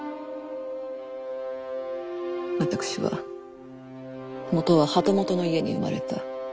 私は元は旗本の家に生まれた。